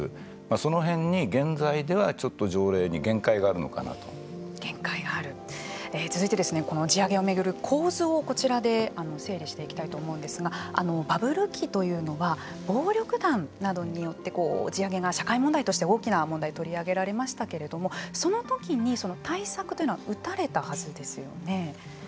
その辺に現在ではちょっと条例に続いて、この地上げを巡る構図をこちらで整理していきたいと思うんですがバブル期というのは暴力団などによって地上げが社会問題として大きな問題として取り上げられましたけれどもその時に対策というのは打たれたはずですよね。